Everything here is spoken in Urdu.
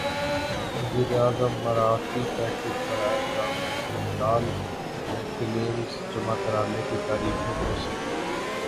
وزیر اعظم مراعاتی پیکج برائے برامد کنندگان میں کلیمز جمع کرانے کی تاریخ میں توسیع